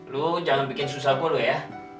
lu jangan bikin susah gua lu ya